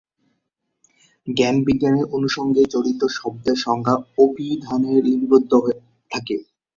জ্ঞান-বিজ্ঞানের অনুষঙ্গে জড়িত শব্দের সংজ্ঞা অভিধানে লিপিবদ্ধ থাকে।